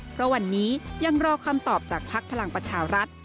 เพราะวันนี้ยังรอคำตอบจากภักดิ์พลังประชารัฐ